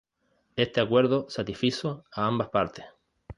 Este acuerdo satisfizo a ambas partes.